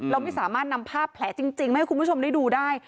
เราไม่สามารถนำภาพแผลจริงมาให้คุณผู้ชมได้ดูได้